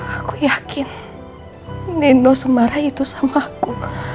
aku yakin nino semarah itu sama aku